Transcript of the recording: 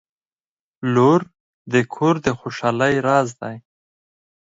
• لور د کور د خوشحالۍ راز دی.